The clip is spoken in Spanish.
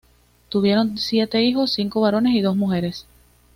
Tuvieron siete hijos, cinco varones y dos mujeres.